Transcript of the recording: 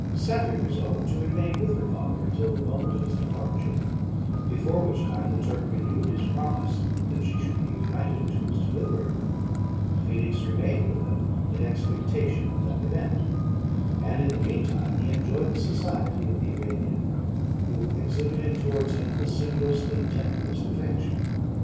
"Safie resolved to remain with her father until the moment of his departure, before which time the Turk renewed his promise that she should be united to his deliverer; and Felix remained with them in expectation of that event; and in the mean time he enjoyed the society of the Arabian, who exhibited towards him the simplest and tenderest affection.